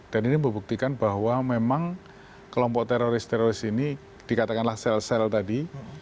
dan ini membuktikan bahwa memang kelompok teroris teroris ini dikatakanlah sel sel tadi